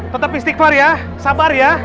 tetap istiqlal ya sabar ya